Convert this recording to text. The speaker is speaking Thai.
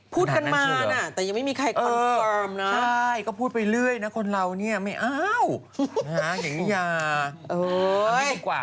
พูดมาหน้าแต่ไม่มีใครเอ่ยก็พูดไปเลยนะคนเราเนี่ยไม่เอามาอย่างนี้